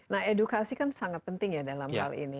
nah edukasi kan sangat penting ya dalam hal ini